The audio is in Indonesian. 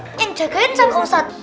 yang jagain sama ustadz